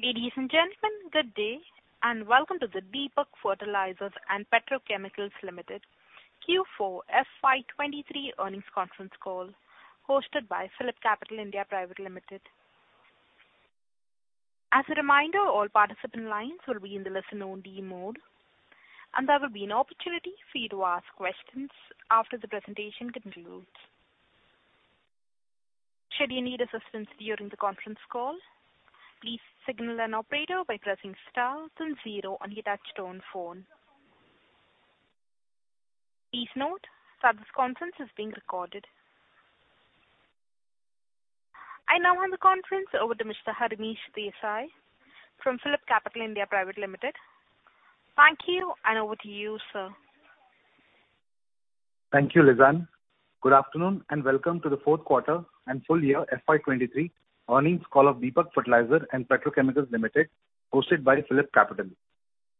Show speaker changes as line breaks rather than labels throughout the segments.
Ladies and gentlemen, good day, and welcome to the Deepak Fertilisers and Petrochemicals Limited Q4 FY2023 earnings conference call hosted by PhillipCapital India Private Limited. As a reminder, all participant lines will be in the listen only mode, and there will be an opportunity for you to ask questions after the presentation concludes. Should you need assistance during the conference call, please signal an operator by pressing star then zero on your touchtone phone. Please note that this conference is being recorded. I now hand the conference over to Mr. Harnish Desai from PhillipCapital India Private Limited. Thank you, and over to you, sir.
Thank you, Lizanne. Welcome to the Q4 and full year FY 2023 earnings call of Deepak Fertilisers and Petrochemicals Corporation Limited, hosted by PhillipCapital.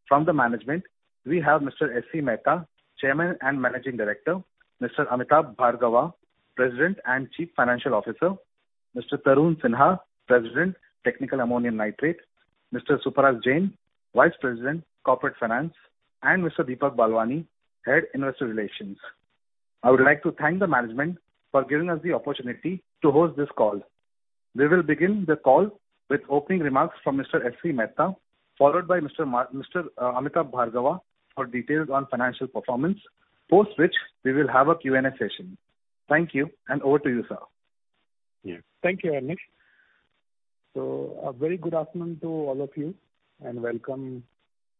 From the management, we have Mr. S.C. Mehta, Chairman and Managing Director, Mr. Amitabh Bhargava, President and Chief Financial Officer, Mr. Tarun Sinha, President, Technical Ammonium Nitrate, Mr. Suparas Jain, Vice President, Corporate Finance, and Mr. Deepak Balwani, Head, Investor Relations. I would like to thank the management for giving us the opportunity to host this call. We will begin the call with opening remarks from Mr. S.C. Mehta, followed by Mr. Amitabh Bhargava for details on financial performance. Post which we will have a Q&A session. Thank you, over to you, sir.
Yes. Thank you, Harnish. A very good afternoon to all of you, and welcome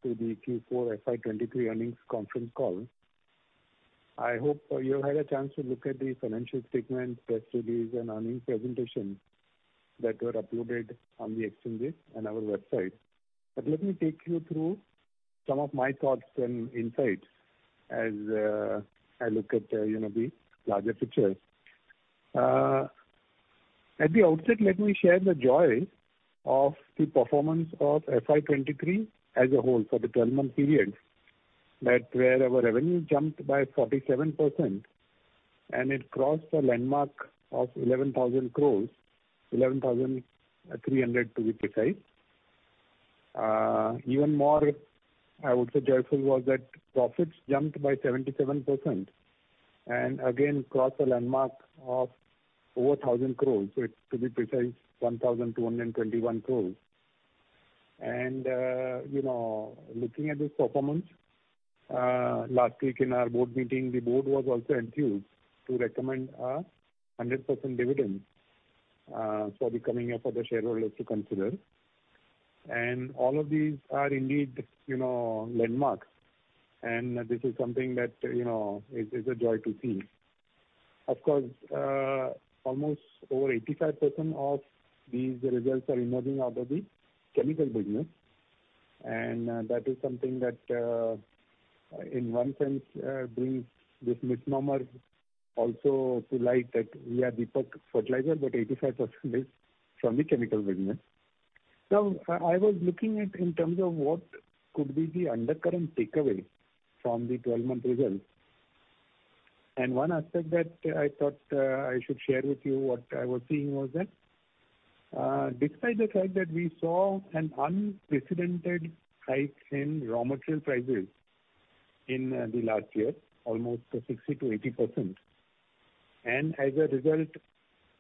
to the Q4 FY 2023 earnings conference call. I hope you have had a chance to look at the financial statements, press release, and earnings presentation that were uploaded on the exchanges and our website. Let me take you through some of my thoughts and insights as I look at, you know, the larger picture. At the outset, let me share the joy of the performance of FY 2023 as a whole for the 12-month period, that where our revenue jumped by 47% and it crossed the landmark of 11,300 crore to be precise. Even more, I would say joyful was that profits jumped by 77% and again crossed the landmark of over 1,000 crore. To be precise, 1,221 crores. You know, looking at this performance, last week in our board meeting, the board was also enthused to recommend a 100% dividend for the coming year for the shareholders to consider. All of these are indeed, you know, landmarks. This is something that, you know, is a joy to see. Of course, almost over 85% of these results are emerging out of the chemical business. That is something that in one sense brings this misnomer also to light that we are Deepak Fertilisers, but 85% is from the chemical business. I was looking at in terms of what could be the undercurrent takeaway from the 12-month results. One aspect that I thought I should share with you what I was seeing was that, despite the fact that we saw an unprecedented hike in raw material prices in the last year, almost 60%-80%, and as a result,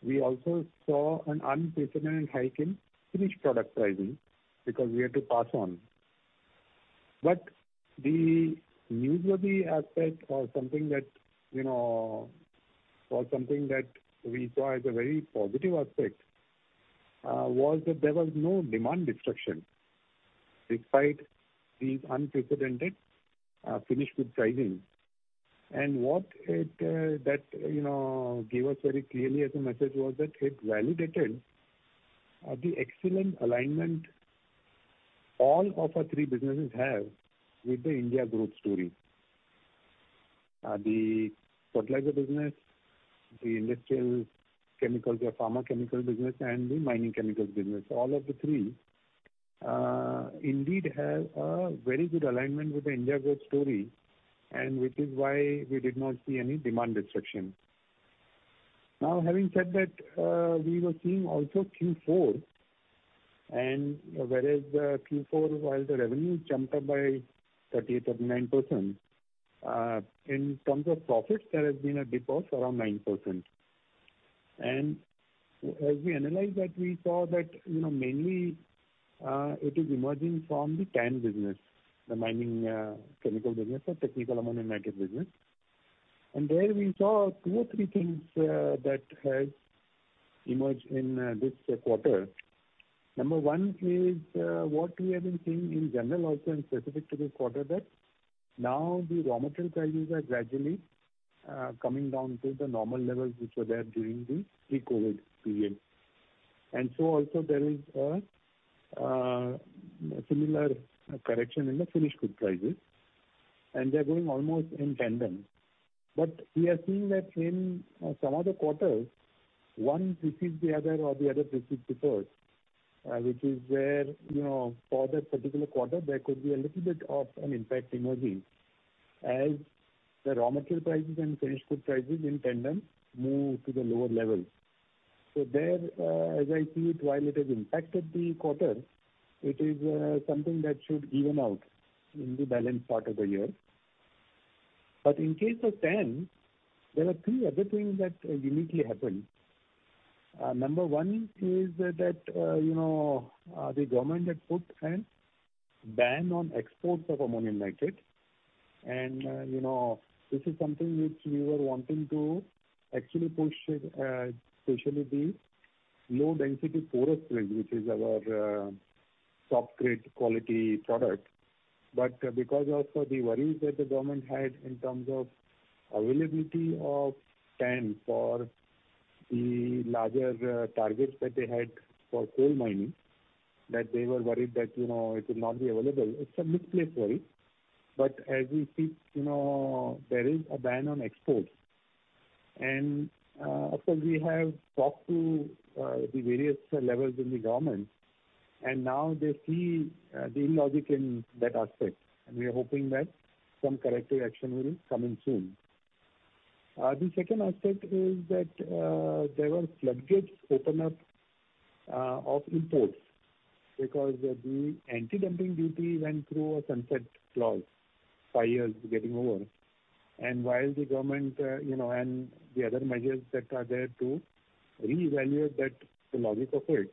we also saw an unprecedented hike in finished product pricing because we had to pass on. The newsworthy aspect or something that we saw as a very positive aspect, was that there was no demand destruction despite these unprecedented, finished goods pricing. What it, you know, gave us very clearly as a message was that it validated the excellent alignment all of our three businesses have with the India growth story. The fertilizer business, the industrial chemicals or pharma chemical business, and the mining chemicals business. All of the three indeed have a very good alignment with the India growth story, which is why we did not see any demand destruction. Now, having said that, we were seeing also Q4. Whereas, Q4, while the revenue jumped up by 38%-39%, in terms of profits, there has been a dip of around 9%. As we analyzed that, we saw that, you know, mainly, it is emerging from the TAN business, the mining chemical business or Technical Ammonium Nitrate business. There we saw two things or three things that has emerged in this quarter. Number one is what we have been seeing in general also and specific to this quarter that now the raw material prices are gradually coming down to the normal levels which were there during the pre-COVID period. Also there is a similar correction in the finished goods prices, and they're going almost in tandem. We are seeing that in some other quarters, one precedes the other or the other precedes the first, which is where, you know, for that particular quarter, there could be a little bit of an impact emerging. As the raw material prices and finished good prices in tandem move to the lower level. There, as I see it, while it has impacted the quarter, it is something that should even out in the balanced part of the year. In case of TAN, there are three other things that uniquely happened. number one is that, you know, the government had put an ban on exports of ammonium nitrate. You know, this is something which we were wanting to actually push specialty Low Density Porous grade, which is our top grade quality product. Because also the worries that the government had in terms of availability of TAN for the larger targets that they had for coal mining, that they were worried that, you know, it would not be available. It's a misplaced worry. As we speak, you know, there is a ban on exports. Of course, we have talked to the various levels in the government, and now they see the illogic in that aspect, and we are hoping that some corrective action will come in soon. The second aspect is that there were floodgates opened up of imports because the anti-dumping duty went through a sunset clause, five years getting over. While the government, you know, and the other measures that are there to reevaluate that, the logic of it,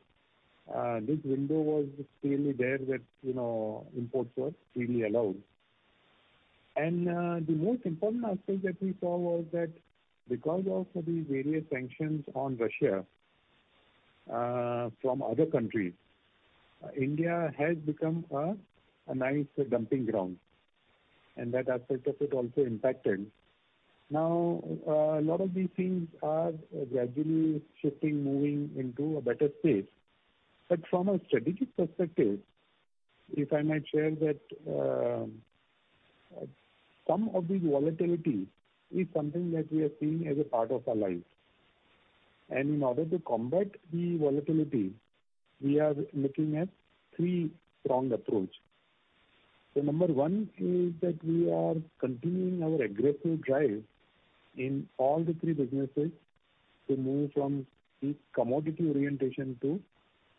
this window was clearly there that, you know, imports were freely allowed. The most important aspect that we saw was that because of the various sanctions on Russia, from other countries, India has become a nice dumping ground, and that aspect of it also impacted. A lot of these things are gradually shifting, moving into a better space. From a strategic perspective, if I might share that, some of this volatility is something that we are seeing as a part of our life. In order to combat the volatility, we are looking at three strong approach. Number one is that we are continuing our aggressive drive in all the three businesses to move from the commodity orientation to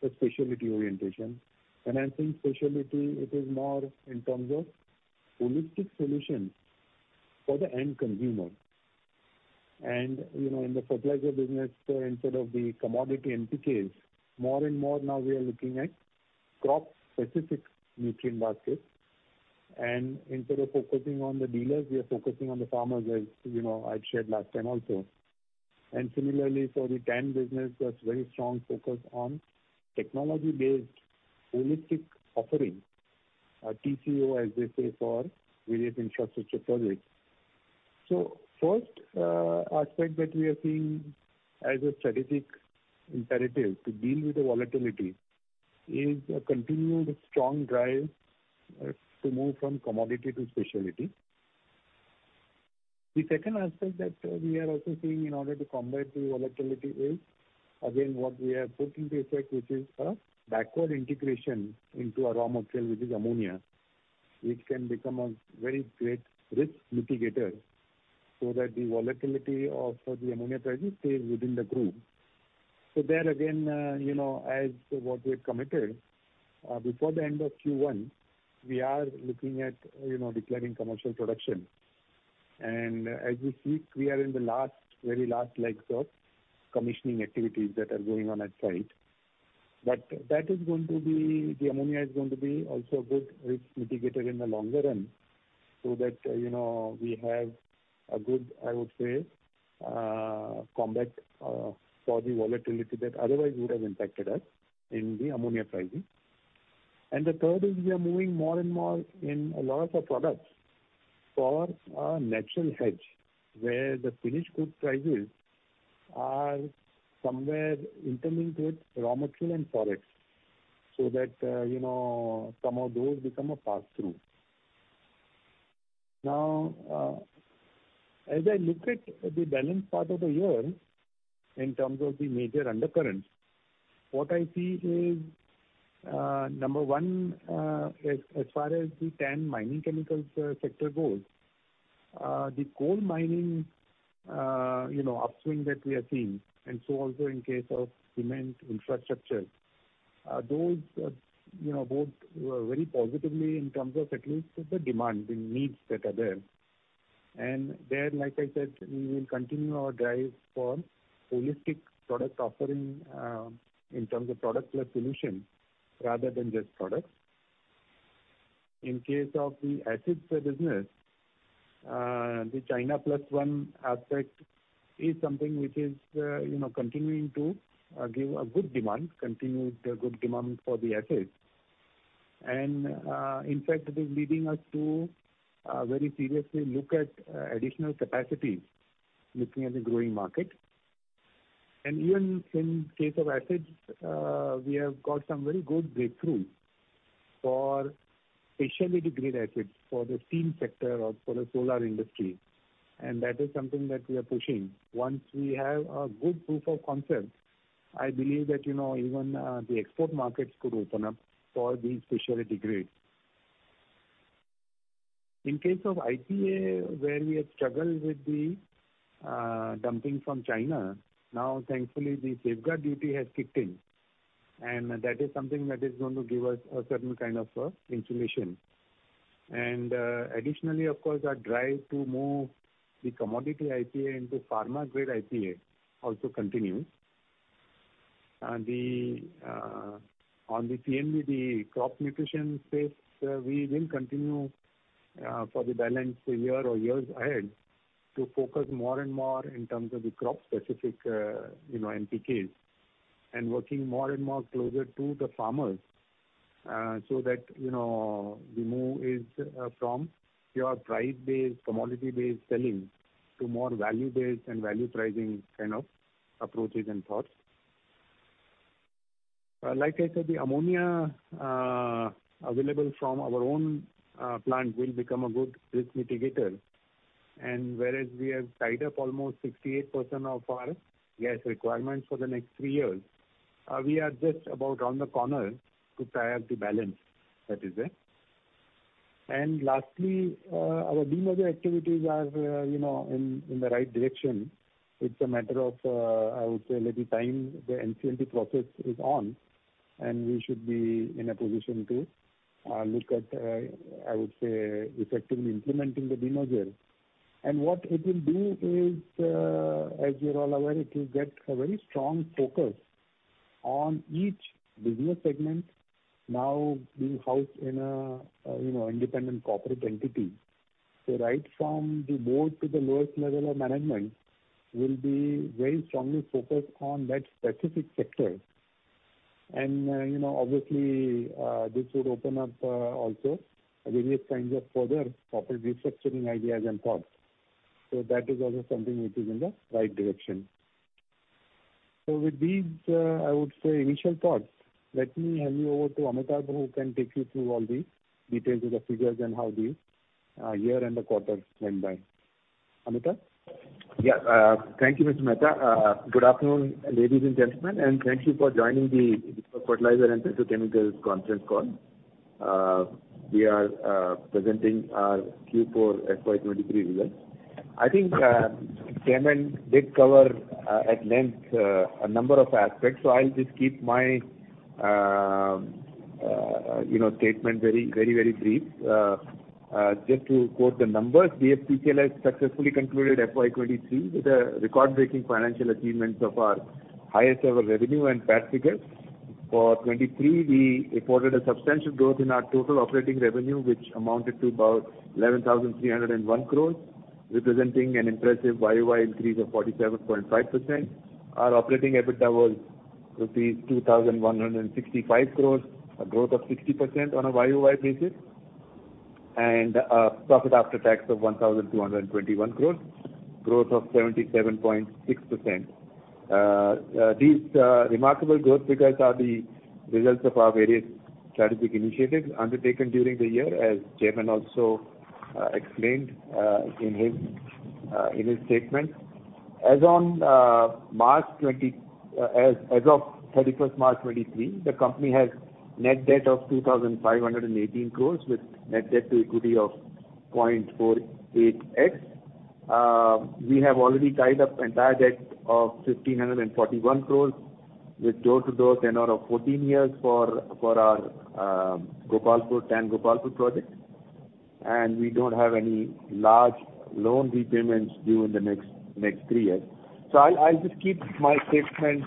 a specialty orientation. When I think specialty, it is more in terms of holistic solutions for the end consumer. You know, in the fertilizer business, instead of the commodity NPKs, more and more now we are looking at crop specific nutrient baskets. Instead of focusing on the dealers, we are focusing on the farmers, as you know, I'd shared last time also. Similarly for the TAN business, that's very strong focus on technology based holistic offering, TCO, as they say, for various infrastructure projects. First aspect that we are seeing as a strategic imperative to deal with the volatility is a continued strong drive to move from commodity to specialty. The second aspect that we are also seeing in order to combat the volatility is again what we have put into effect, which is a backward integration into our raw material, which is ammonia, which can become a very great risk mitigator so that the volatility of the ammonia prices stays within the group. There again, you know, as what we had committed before the end of Q1, we are looking at, you know, declaring commercial production. As we speak, we are in the last, very last legs of commissioning activities that are going on at site. That is going to be, the ammonia is going to be also a good risk mitigator in the longer run, so that, you know, we have a good, I would say, combat for the volatility that otherwise would have impacted us in the ammonia pricing. The third is we are moving more and more in a lot of our products for a natural hedge, where the finished good prices are somewhere interlinked with raw material and forex, so that, you know, some of those become a pass through. Now, as I look at the balance part of the year in terms of the major undercurrent, what I see is, number one, as far as the TAN Mining Chemicals sector goes, the coal mining, you know, upswing that we are seeing and so also in case of cement infrastructure, those, you know, both were very positively in terms of at least the demand, the needs that are there. There, like I said, we will continue our drive for holistic product offering, in terms of product plus solution rather than just products. In case of the acids business, the China Plus One aspect is something which is, you know, continuing to give a good demand, continued good demand for the acids. In fact it is leading us to very seriously look at additional capacities, looking at the growing market. Even in case of acids, we have got some very good breakthrough for specialty grade acids for the semicon sector or for the solar industry. That is something that we are pushing. Once we have a good proof of concept, I believe that, you know, even the export markets could open up for these specialty grades. In case of IPA, where we have struggled with the dumping from China, now thankfully the safeguard duty has kicked in, and that is something that is going to give us a certain kind of a insulation. Additionally, of course, our drive to move the commodity IPA into pharma grade IPA also continues. On the CMB, the crop nutrition space, we will continue for the balance year or years ahead to focus more and more in terms of the crop specific, you know, NPKs and working more and more closer to the farmers, so that, you know, the move is from your price-based, commodity-based selling to more value-based and value pricing kind of approaches and thoughts. Like I said, the ammonia available from our own plant will become a good risk mitigator. Whereas we have tied up almost 68% of our gas requirements for the next three years, we are just about around the corner to tie up the balance that is there. Lastly, our demerger activities are, you know, in the right direction. It's a matter of, I would say, a little time. The NCLT process is on. We should be in a position to look at, I would say, effectively implementing the demerger. What it will do is, as you're all aware, it will get a very strong focus on each business segment now being housed in a, you know, independent corporate entity. Right from the board to the lowest level of management will be very strongly focused on that specific sector. You know, obviously, this would open up also various kinds of further corporate restructuring ideas and thoughts. That is also something which is in the right direction. With these, I would say initial thoughts, let me hand you over to Amitabh, who can take you through all the details of the figures and how the year and the quarter went by. Amitabh?
Thank you, Mr. Mehta. Good afternoon, ladies and gentlemen, thank you for joining the Fertilisers and Petrochemicals conference call. We are presenting our Q4 FY 2023 results. I think Chairman did cover at length a number of aspects, I'll just keep my, you know, statement very, very, very brief. Just to quote the numbers, DFPCL has successfully concluded FY 2023 with a record-breaking financial achievements of our highest ever revenue and PAT figures. For 2023, we reported a substantial growth in our total operating revenue, which amounted to about 11,301 crores, representing an impressive YOY increase of 47.5%. Our operating EBITDA was rupees 2,165 crores, a growth of 60% on a YOY basis, profit after tax of 1,221 crores, growth of 77.6%. These remarkable growth figures are the results of our various strategic initiatives undertaken during the year, as Chairman also explained in his statement. As of March 31, 2023, the company has net debt of 2,518 crores, with net debt to equity of 0.48x. We have already tied up entire debt of 1,541 crores with door-to-door tenure of 14 years for our TAN Gopalpur project. We don't have any large loan repayments due in the next three years. I'll just keep my statement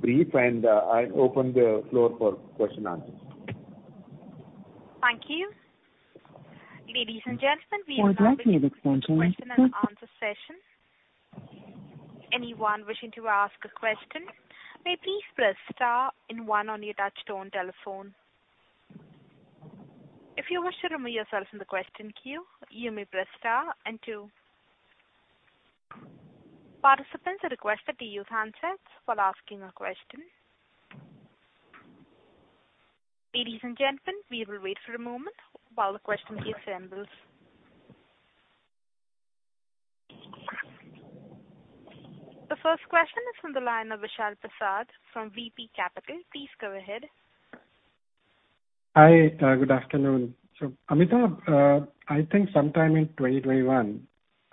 brief, and I open the floor for question answers.
Thank you. Ladies and gentlemen,
For drafting the response only.
...moving to the question and answer session. Anyone wishing to ask a question, may please press star and one on your touchtone telephone. If you wish to remove yourself from the question queue, you may press star and two. Participants are requested to use handsets while asking a question. Ladies and gentlemen, we will wait for a moment while the question queue assembles. The first question is from the line of Vishal Prasad from VP Capital. Please go ahead.
Hi. Good afternoon. Amitabh, I think sometime in 2021,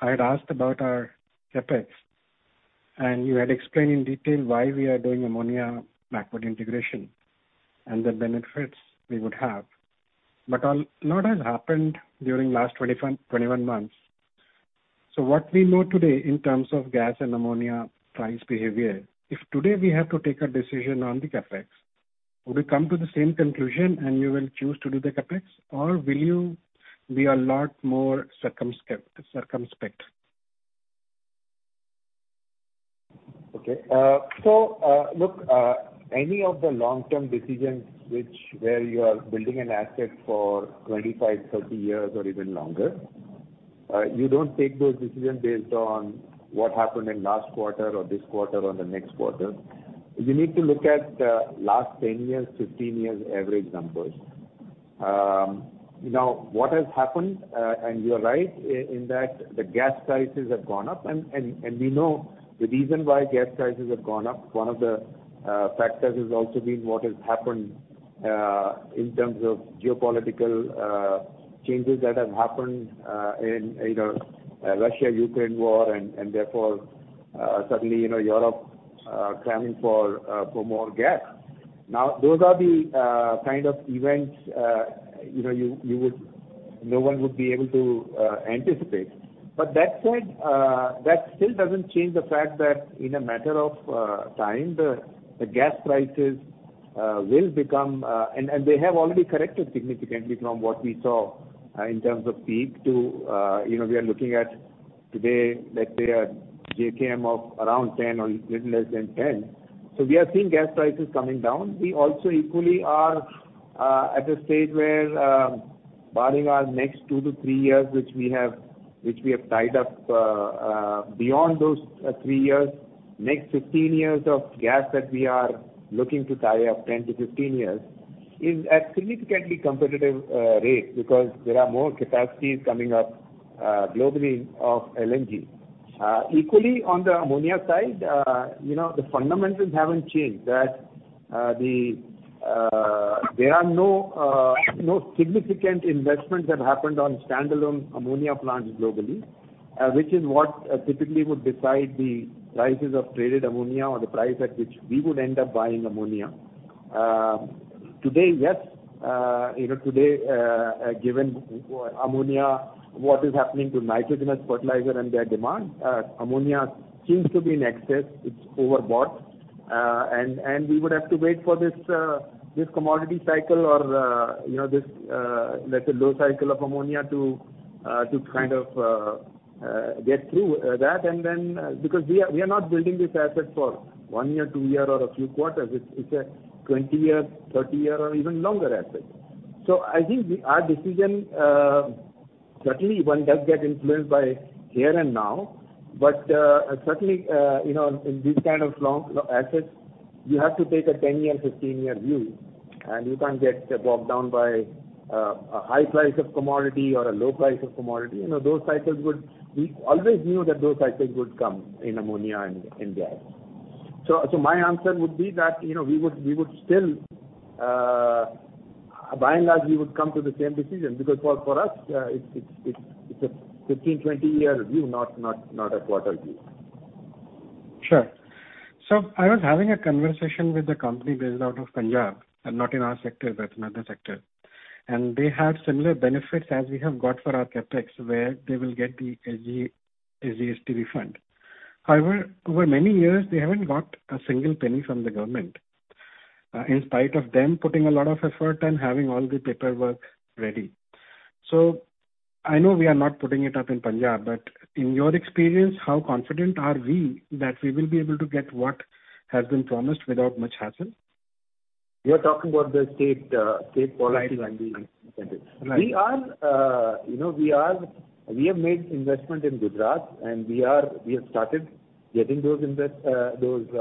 I had asked about our CapEx, and you had explained in detail why we are doing ammonia backward integration and the benefits we would have. A lot has happened during last 21 months. What we know today in terms of gas and ammonia price behavior, if today we have to take a decision on the CapEx, would we come to the same conclusion and you will choose to do the CapEx or will you be a lot more circumspect?
Okay. Look, any of the long-term decisions which where you are building an asset for 25 years, 30 years or even longer, you don't take those decisions based on what happened in last quarter or this quarter or the next quarter. You need to look at the last 10 years, 15 years average numbers. Now what has happened, and you are right in that the gas prices have gone up and we know the reason why gas prices have gone up. One of the factors has also been what has happened in terms of geopolitical changes that have happened in either Russia-Ukraine war and therefore, suddenly, you know, Europe clamoring for more gas. Those are the kind of events, you know, you would... no one would be able to anticipate. That said, that still doesn't change the fact that in a matter of time, the gas prices will become... They have already corrected significantly from what we saw in terms of peak to, you know, we are looking at today that they are JKM of around 10 or little less than 10. We are seeing gas prices coming down. We also equally are at a stage where barring our next two years-three years, which we have tied up, beyond those three years, next 15 years of gas that we are looking to tie up 10 years-15 years is at significantly competitive rate because there are more capacities coming up globally of LNG. Equally on the ammonia side, you know, the fundamentals haven't changed that the there are no no significant investments have happened on standalone ammonia plants globally, which is what typically would decide the prices of traded ammonia or the price at which we would end up buying ammonia. Today, yes, you know, today, given ammonia, what is happening to nitrogenous fertilizer and their demand, ammonia seems to be in excess. It's overbought. And we would have to wait for this commodity cycle or, you know, this let's say low cycle of ammonia to to kind of get through that. Because we are not building this asset for one-year, two-year, or a few quarters. It's a 20-year, 30-year, or even longer asset. I think our decision, certainly one does get influenced by here and now, but certainly, you know, in this kind of long assets, you have to take a 10-year, 15-year view, and you can't get bogged down by a high price of commodity or a low price of commodity. You know, those cycles would. We always knew that those cycles would come in ammonia and gas. My answer would be that, you know, we would, we would still, by and large, we would come to the same decision because for us, it's a 15-year, 20-year view, not a quarter view.
Sure. I was having a conversation with a company based out of Punjab and not in our sector, but another sector, and they have similar benefits as we have got for our CapEx, where they will get the SGST refund. However, over many years, they haven't got a single penny from the government, in spite of them putting a lot of effort and having all the paperwork ready. I know we are not putting it up in Punjab, but in your experience, how confident are we that we will be able to get what has been promised without much hassle?
You're talking about the state policy and the incentive.
Right.
We are, you know, we have made investment in Gujarat, and we have started getting those incentives.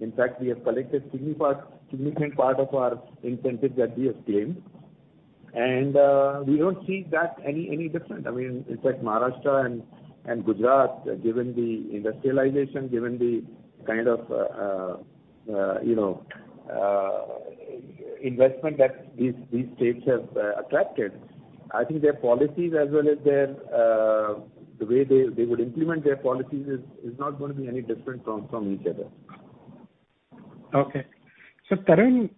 In fact, we have collected significant part of our incentive that we have claimed. We don't see that any different. I mean, in fact, Maharashtra and Gujarat, given the industrialization, given the kind of, you know, investment that these states have attracted, I think their policies as well as their, the way they would implement their policies is not gonna be any different from each other.
Okay. Tarun,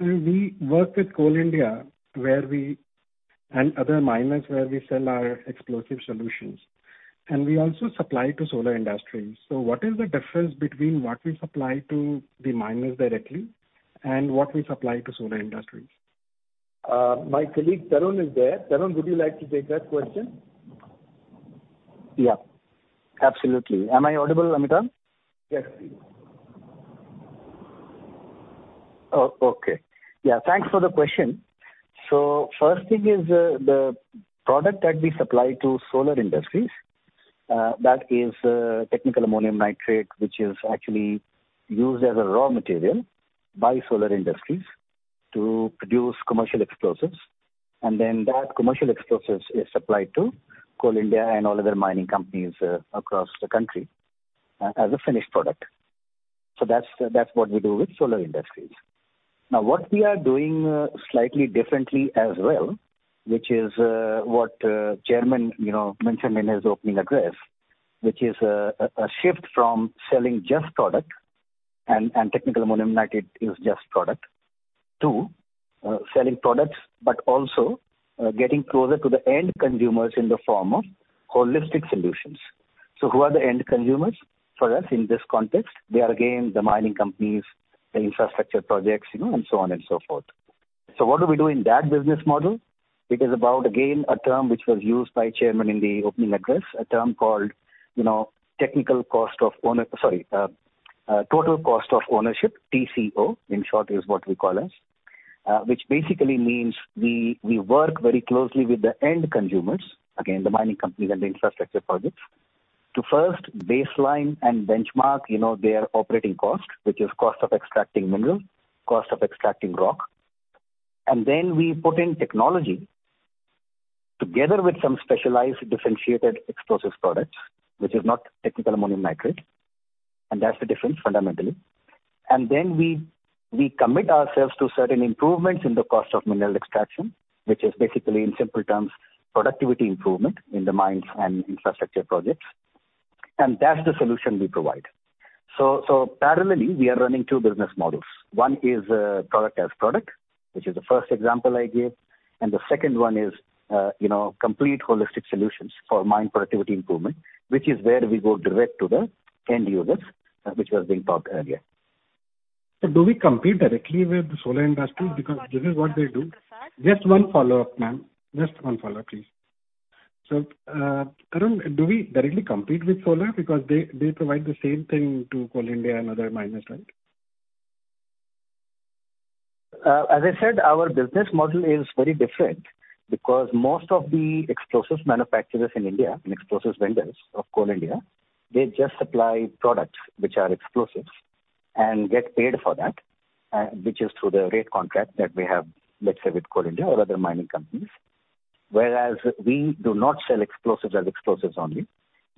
we work with Coal India, where we... and other miners, where we sell our explosive solutions, and we also supply to Solar Industries. What is the difference between what we supply to the miners directly and what we supply to Solar Industries?
My colleague Tarun is there. Tarun, would you like to take that question?
Yeah, absolutely. Am I audible, Lizan?
Yes, please.
Oh, okay. Yeah, thanks for the question. First thing is, the product that we supply to Solar Industries, that is, Technical Ammonium Nitrate, which is actually used as a raw material by Solar Industries to produce commercial explosives. That commercial explosives is supplied to Coal India and all other mining companies across the country as a finished product. That's, that's what we do with Solar Industries. Now, what we are doing slightly differently as well, which is what Chairman, you know, mentioned in his opening address, which is a shift from selling just product, and Technical Ammonium Nitrate is just product, to selling products, but also getting closer to the end consumers in the form of holistic solutions. Who are the end consumers for us in this context? They are, again, the mining companies, the infrastructure projects, you know, and so on and so forth. What do we do in that business model? It is about, again, a term which was used by Chairman in the opening address, a term called, you know, total cost of ownership. TCO, in short, is what we call. Which basically means we work very closely with the end consumers, again, the mining companies and the infrastructure projects, to first baseline and benchmark, you know, their operating costs, which is cost of extracting mineral, cost of extracting rock. We put in technology together with some specialized differentiated explosives products, which is not Technical Ammonium Nitrate, and that's the difference fundamentally. We commit ourselves to certain improvements in the cost of mineral extraction, which is basically in simple terms, productivity improvement in the mines and infrastructure projects. That's the solution we provide. Parallelly, we are running two business models. One is product as product, which is the first example I gave, and the second one is, you know, complete holistic solutions for mine productivity improvement, which is where we go direct to the end users, which was being talked earlier.
Do we compete directly with the solar industry because this is what they do?
Prasad.
Just one follow-up, ma'am. Just one follow-up, please. Tarun, do we directly compete with Solar because they provide the same thing to Coal India and other miners, right?
As I said, our business model is very different because most of the explosives manufacturers in India and explosives vendors of Coal India, they just supply products which are explosives and get paid for that, which is through the rate contract that we have, let's say with Coal India or other mining companies. Whereas we do not sell explosives as explosives only.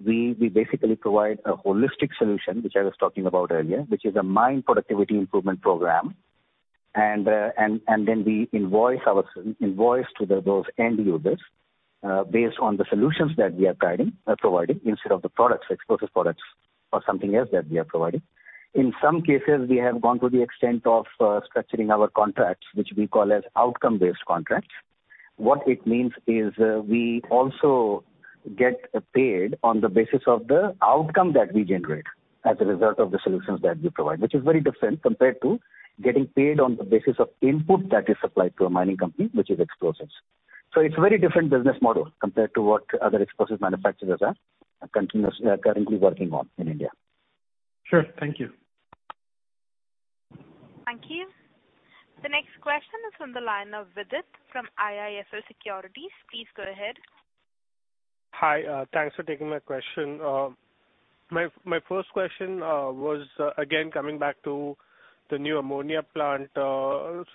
We basically provide a holistic solution, which I was talking about earlier, which is a mine productivity improvement program. Then we invoice to the those end users, based on the solutions that we are guiding, providing instead of the products, explosives products or something else that we are providing. In some cases, we have gone to the extent of structuring our contracts, which we call as outcome-based contracts. What it means is, we also get paid on the basis of the outcome that we generate as a result of the solutions that we provide, which is very different compared to getting paid on the basis of input that is supplied to a mining company, which is explosives. It's a very different business model compared to what other explosives manufacturers are currently working on in India.
Sure. Thank you.
Thank you. The next question is from the line of Vidit from IIFL Securities. Please go ahead.
Hi. thanks for taking my question. my first question was again, coming back to the new ammonia plant.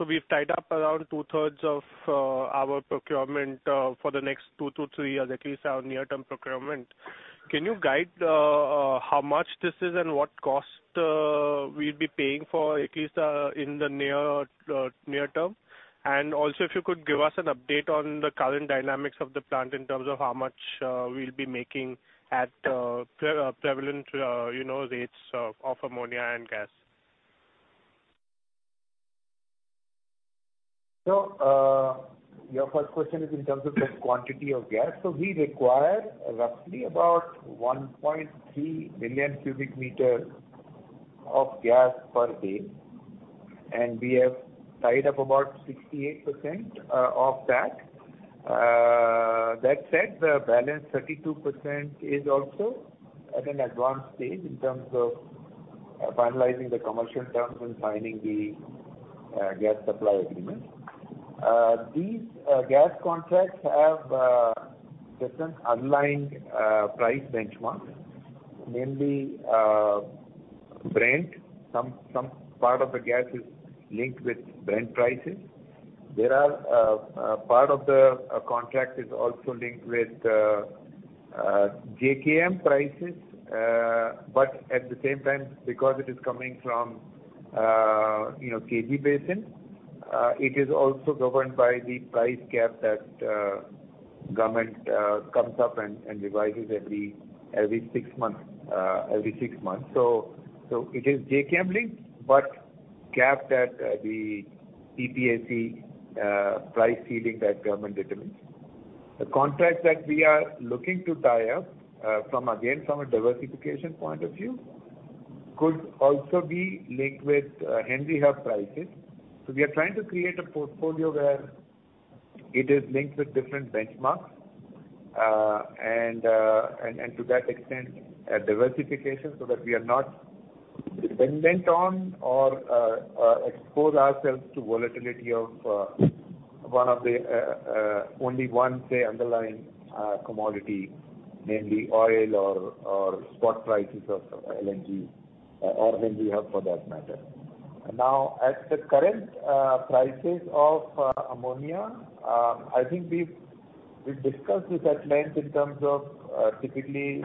we've tied up around 2/3 of our procurement for the next two years-three years, at least our near-term procurement. Can you guide how much this is and what cost we'll be paying for at least in the near term? Also, if you could give us an update on the current dynamics of the plant in terms of how much we'll be making at prevalent, you know, rates of ammonia and gas?
Your first question is in terms of the quantity of gas. We require roughly about 1.3 million cubic meters of gas per day, and we have tied up about 68% of that. That said, the balance 32% is also at an advanced stage in terms of finalizing the commercial terms and signing the gas supply agreement. These gas contracts have different underlying price benchmarks, namely, Brent. Some part of the gas is linked with Brent prices. There are a part of the contract is also linked with JKM prices. At the same time, because it is coming from, you know, KG Basin, it is also governed by the price cap that government comes up and revises every six months. It is JKM linked but capped at the PPAC price ceiling that government determines. The contracts that we are looking to tie up, from again, from a diversification point of view could also be linked with Henry Hub prices. We are trying to create a portfolio where it is linked with different benchmarks, and to that extent, a diversification so that we are not dependent on or expose ourselves to volatility of one of the only one, say, underlying commodity, namely oil or spot prices of LNG, or Henry Hub for that matter. At the current prices of ammonia, I think we've discussed this at length in terms of typically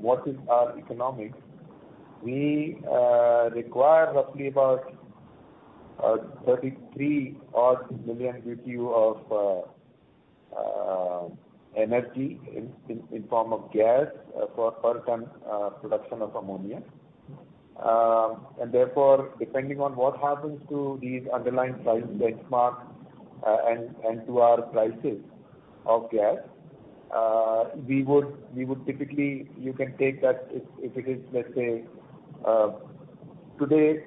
what is our economics. We require roughly about 33 million BTU of energy in form of gas for per ton production of ammonia. Therefore, depending on what happens to these underlying price benchmarks, and to our prices of gas, we would typically you can take that if it is, let's say, today,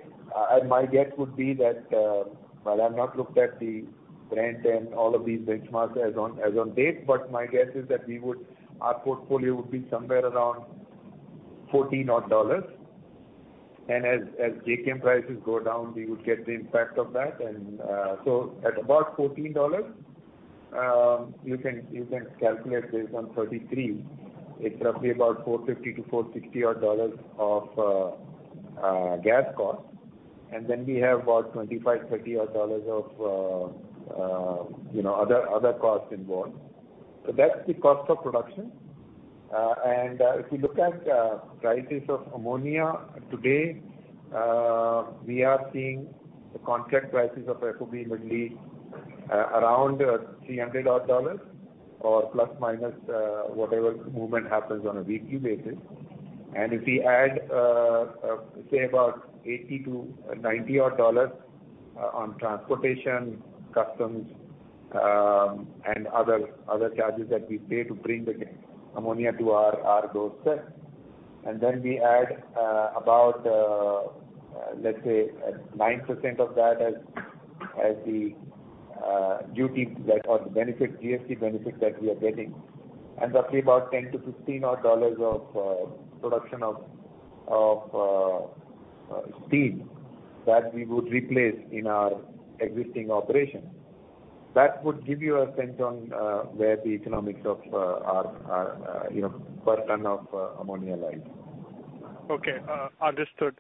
my guess would be that, well, I've not looked at the Brent and all of these benchmarks as on, as on date, but my guess is that our portfolio would be somewhere around $14 odd dollars. As JKM prices go down, we would get the impact of that. At about $14, you can calculate based on 33, it's roughly about $450-$460 odd dollars of gas costs. We have about $25-$30 odd dollars of, you know, other costs involved. That's the cost of production. If you look at prices of ammonia today, we are seeing the contract prices of FOB Yuzhny, around $300 odd or plus minus, whatever movement happens on a weekly basis. If we add, say about $80-$90 odd on transportation, customs, and other charges that we pay to bring the ammonia to our doorstep. Then we add about, let's say 9% of that as the duty that or the benefit, GST benefit that we are getting, and roughly about $10-$15 odd of production of steam that we would replace in our existing operation. That would give you a sense on where the economics of our, you know, per ton of ammonia lies.
Okay. Understood.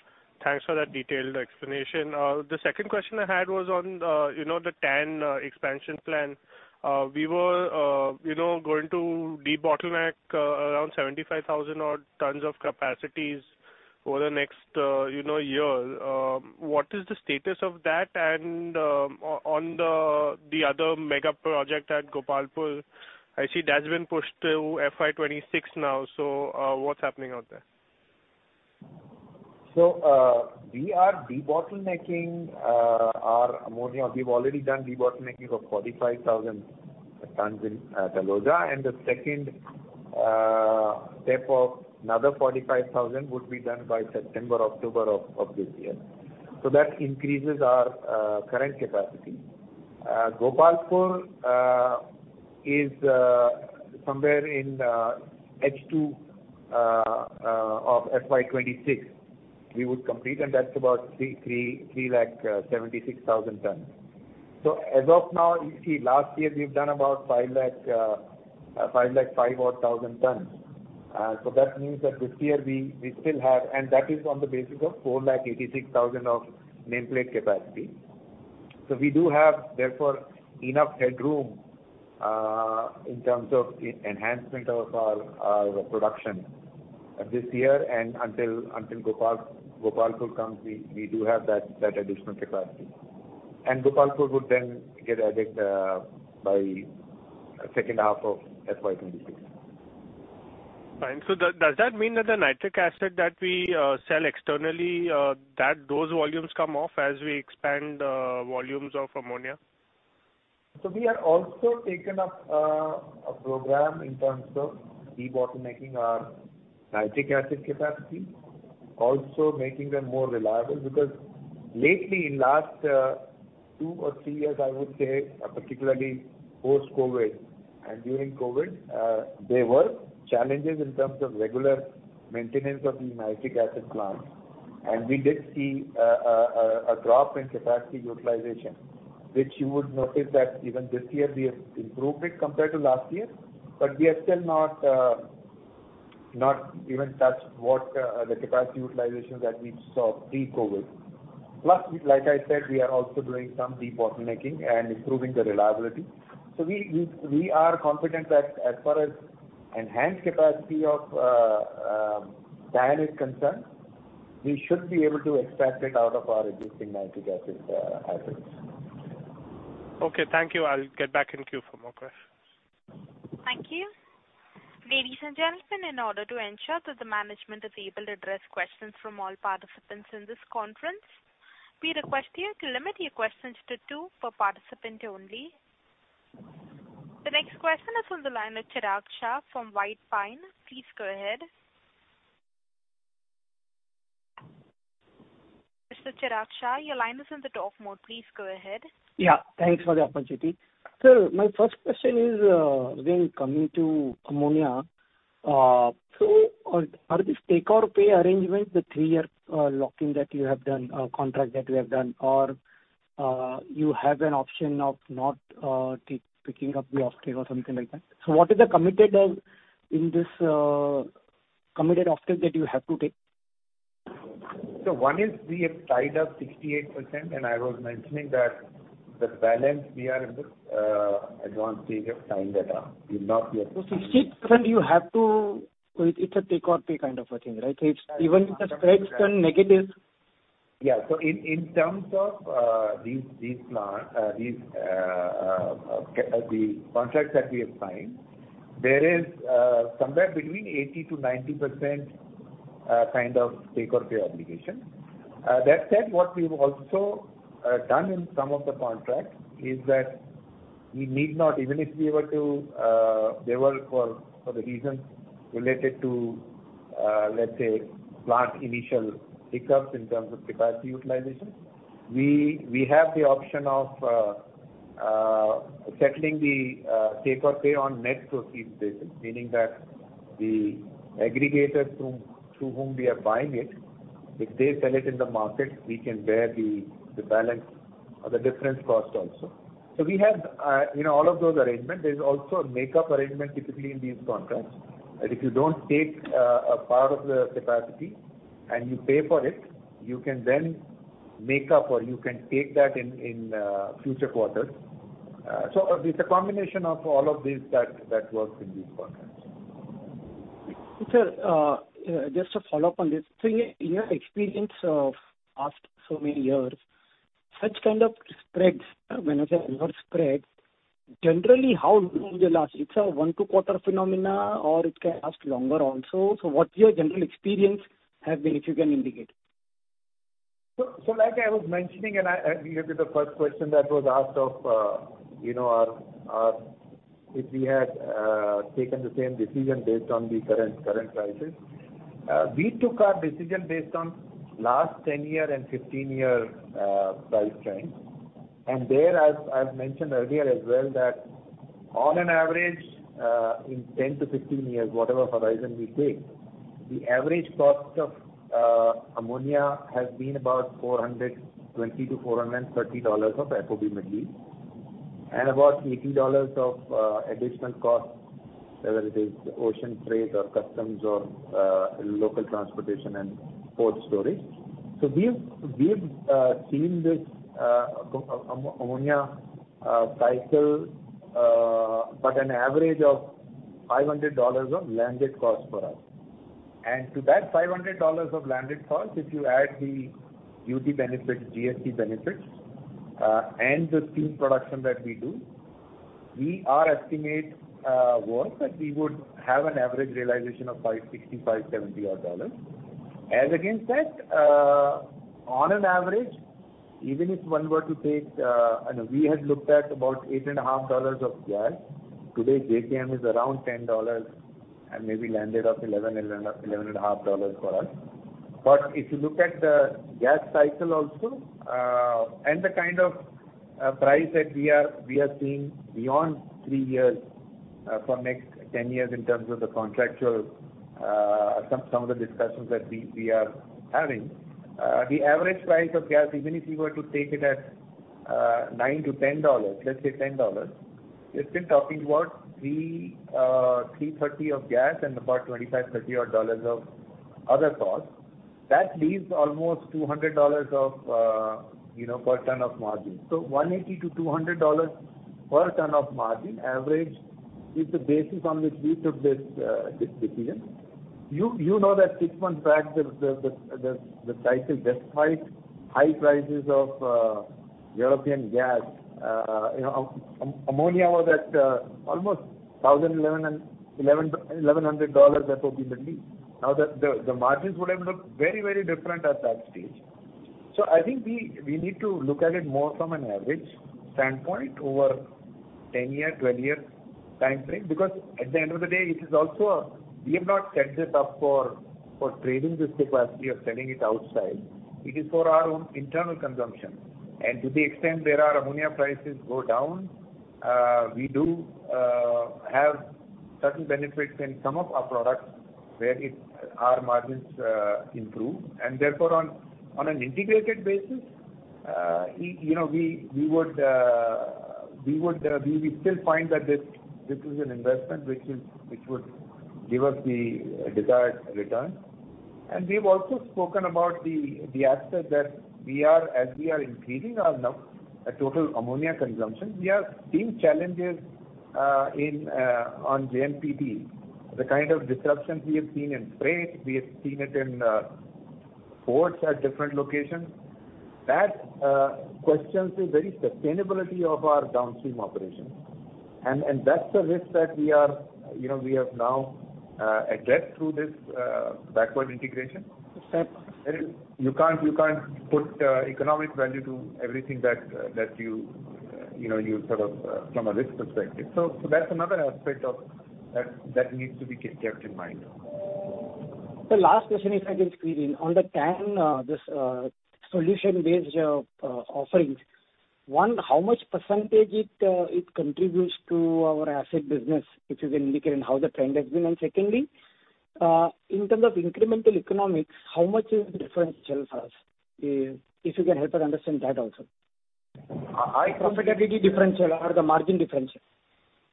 Thanks for that detailed explanation. The second question I had was on the, you know, the TAN expansion plan. We were, you know, going to debottleneck around 75,000 odd tons of capacities over the next, you know, year. What is the status of that? On the other mega project at Gopalpur, I see that's been pushed to FY 2026 now. What's happening out there?
We are debottlenecking our ammonia. We've already done debottlenecking of 45,000 tons in Taloda. The second step of another 45,000 tons would be done by September, October of this year. That increases our current capacity. Gopalpur is somewhere in H2 of FY 2026 we would complete, and that's about 3 lakh 76,000 tons. As of now, you see last year we've done about 5 lakh 5,000 odd tons. That means that this year we still have. That is on the basis of 4 lakh 86,000 of nameplate capacity. We do have therefore enough headroom in terms of enhancement of our production this year. Until Gopalpur comes, we do have that additional capacity. Gopalpur would then get added by second half of FY 2026.
Fine. Does that mean that the nitric acid that we sell externally, that those volumes come off as we expand volumes of ammonia?
We have also taken up a program in terms of debottlenecking our nitric acid capacity. Also making them more reliable. Lately in last two years or three years, I would say, particularly post-COVID and during COVID, there were challenges in terms of regular maintenance of the nitric acid plant. We did see a drop in capacity utilization, which you would notice that even this year we have improved it compared to last year, but we have still not not even touched what the capacity utilization that we saw pre-COVID. Like I said, we are also doing some debottlenecking and improving the reliability. We are confident that as far as enhanced capacity of TAN is concerned, we should be able to extract it out of our existing nitric acid assets.
Okay, thank you. I'll get back in queue for more questions.
Thank you. Ladies and gentlemen, in order to ensure that the management is able to address questions from all participants in this conference, we request you to limit your questions to two per participant only. The next question is on the line with Chirag Shah from White Pine. Please go ahead. Mr. Chirag Shah, your line is on the talk mode. Please go ahead.
Yeah, thanks for the opportunity. Sir, my first question is, again, coming to ammonia. are this take or pay arrangement, the three-year locking that you have done, contract that you have done, or you have an option of not picking up the offtake or something like that. What is the committed in this committed offtake that you have to take?
one is we have tied up 68%, and I was mentioning that the balance we are in the advanced stage of tying that up.
60% you have to... It's a take or pay kind of a thing, right? It's even if the spreads turn negative.
In terms of these plant, these the contracts that we have signed, there is somewhere between 80%-90% kind of take-or-pay obligation. That said, what we've also done in some of the contracts is that we need not even if we were to default for the reasons related to, let's say, plant initial hiccups in terms of capacity utilization. We have the option of settling the take-or-pay on net proceed basis. Meaning that the aggregator through whom we are buying it, if they sell it in the market, we can bear the balance or the difference cost also. We have, you know, all of those arrangement. There's also a make-up arrangement typically in these contracts, that if you don't take, a part of the capacity and you pay for it, you can then make up or you can take that in future quarters. It's a combination of all of these that works in these contracts.
Sir, just to follow up on this. In your experience of past so many years, such kind of spreads, when I say spreads, generally, how long they last? It's a one to quarter phenomena or it can last longer also. What's your general experience have been, if you can indicate?
Like I was mentioning, and I believe it was the first question that was asked of you know, our... If we had taken the same decision based on the current prices. We took our decision based on last 10 year and 15 year price trends. There, as I've mentioned earlier as well that on an average, in 10 years-15 years, whatever horizon we take, the average cost of ammonia has been about $420-$430 of FOB Middle East, and about $80 of additional cost, whether it is ocean freight or customs or local transportation and port storage. We've seen this ammonia cycle, but an average of $500 of landed cost for us. To that $500 of landed cost, if you add the duty benefits, GST benefits, and the steam production that we do, our estimate was that we would have an average realization of $560-$570 odd dollars. Against that, on an average, even if one were to take. We had looked at about $8.5 of gas. Today's JKM is around $10 and maybe landed of $11-$11.5 for us. If you look at the gas cycle also, and the kind of price that we are seeing beyond three years, for next 10 years in terms of the contractual, some of the discussions that we are having. The average price of gas, even if you were to take it at $9-$10, let's say $10. You're still talking about $330 of gas and about $25-$30 odd dollars of other costs. That leaves almost $200 of, you know, per ton of margin. $180-$200 per ton of margin average is the basis on which we took this decision. You know that six months back the cycle despite high prices of European gas, you know, ammonia was at almost $1,011 and $1,100 FOB Middle East. The margins would have looked very, very different at that stage. I think we need to look at it more from an average standpoint over 10-year, 20-year time frame, because at the end of the day. We have not set this up for trading this capacity or selling it outside. It is for our own internal consumption. To the extent that our ammonia prices go down, we do have certain benefits in some of our products where our margins improve. Therefore on an integrated basis, you know, we will still find that this is an investment which would give us the desired return. We've also spoken about the aspect that we are, as we are increasing our total ammonia consumption, we are seeing challenges in on JNPT. The kind of disruptions we have seen in freight, we have seen it in ports at different locations. That questions the very sustainability of our downstream operations. That's a risk that we are, you know, we have now addressed through this backward integration.
Sir-
You can't put economic value to everything that you know, you sort of, from a risk perspective. That's another aspect of that needs to be kept in mind.
The last question, if I can squeeze in. On the TAN, this solution-based offerings. One, how much percentage it contributes to our asset business, if you can indicate, and how the trend has been? Secondly, in terms of incremental economics, how much is the differential for us? If you can help us understand that also.
Uh, I-
Profitability differential or the margin differential.